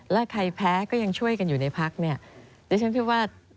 แล้วใครแพ้ก็ยังช่วยกันอยู่ในภารกิจพลาด